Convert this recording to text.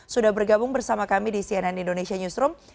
sudah bergabung bersama kami di cnn indonesia newsroom